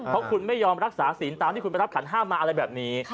เพราะคุณไม่ยอมรักษาศีลตามที่คุณไปรับขันห้ามมาอะไรแบบนี้